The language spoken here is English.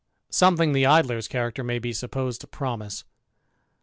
Something the Idler's character may be supposed promise.